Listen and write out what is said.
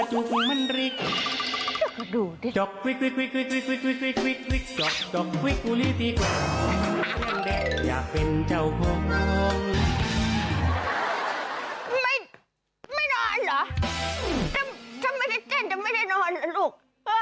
ฉันไม่ได้เต้นฉันไม่ได้นอนลูก